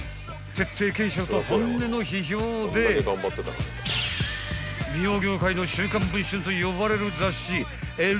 ［徹底検証と本音の批評で美容業界の『週刊文春』と呼ばれる雑誌『ＬＤＫｔｈｅＢｅａｕｔｙ』］